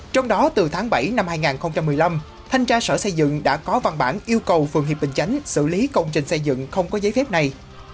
trong đó từ tháng bảy năm hai nghìn một mươi năm thanh tra sở xây dựng đã có văn bản yêu cầu phường hiệp bình chánh xử lý công trình xây dựng không có giấy phép này